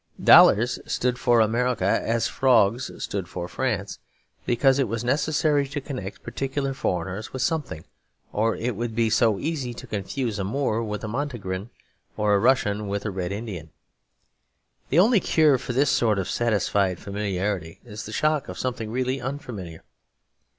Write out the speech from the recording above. Dollars stood for America as frogs stood for France; because it was necessary to connect particular foreigners with something, or it would be so easy to confuse a Moor with a Montenegrin or a Russian with a Red Indian. The only cure for this sort of satisfied familiarity is the shock of something really unfamiliar.